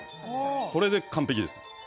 これで完璧です。